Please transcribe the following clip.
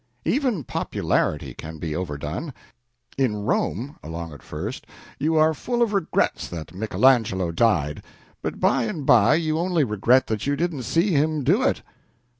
Even popularity can be overdone. In Rome, along at first, you are full of regrets that Michelangelo died; but by and by you only regret that you didn't see him do it.